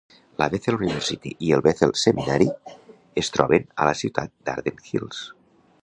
La Bethel University y el Bethel Seminary es troben a la ciutat d'Arden Hills.